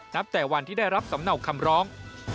แต่วันที่ได้รับสำเนาคำร้อง